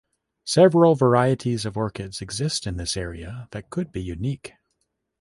Several varieties of orchids exist in this area that could be unique.